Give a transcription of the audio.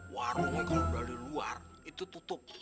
warungnya kalau udah di luar itu tutup